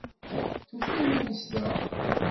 Tufa iman-nnes da.